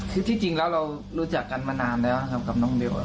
คือที่จริงเรารู้จักกันมานานแล้วกับน้องเดว